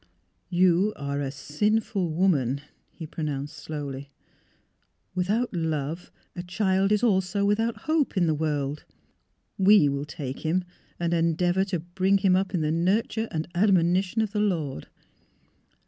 '' You are a sinful woman," he pronounced, slowlj^. " Without love, a child is also without hope in the world. We will take him and en deavour to bring him up in the nurture and admonition of the Lord."